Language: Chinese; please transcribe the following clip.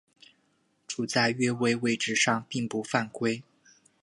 处在越位位置上并不犯规。